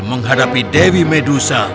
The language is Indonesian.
menghadapi dewi medusa